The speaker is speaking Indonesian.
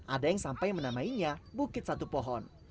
ada yang sampai menamainya bukit satu pohon